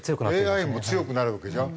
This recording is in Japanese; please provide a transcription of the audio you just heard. ＡＩも強くなるわけじゃん。